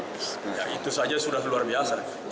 ya itu saja sudah luar biasa